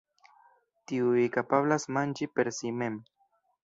Tiuj kapablas manĝi per si mem.